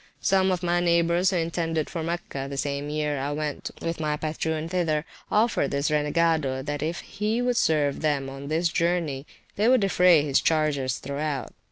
Some of my neighbours who intended for Mecca, the same year I went with my patroon thither, offered [p.385] this renegado that if he would serve them on this journey they would defray his charges throughout.